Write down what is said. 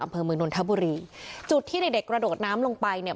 อำเภอเมืองนนทบุรีจุดที่เด็กเด็กกระโดดน้ำลงไปเนี่ย